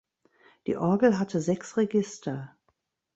Die Orgel hatte sechs Register.